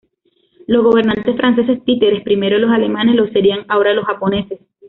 Los gobernantes franceses, títeres primero de los alemanes, lo serían ahora de los japoneses.